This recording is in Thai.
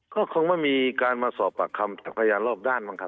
ก็คงไม่มีการมาสอบปากคำจากพยานรอบด้านบ้างครับ